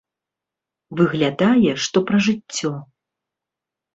Выглядае, што пра жыццё.